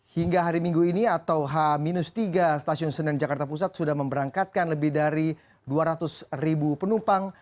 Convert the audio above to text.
hingga hari minggu ini atau h tiga stasiun senen jakarta pusat sudah memberangkatkan lebih dari dua ratus ribu penumpang